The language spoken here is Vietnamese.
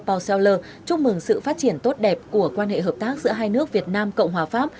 poweller chúc mừng sự phát triển tốt đẹp của quan hệ hợp tác giữa hai nước việt nam cộng hòa pháp